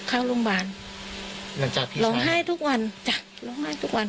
เข้าโรงพยาบาลหลังจากพี่ร้องไห้ทุกวันจ้ะร้องไห้ทุกวัน